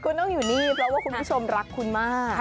คุณต้องอยู่นี่เพราะว่าคุณผู้ชมรักคุณมาก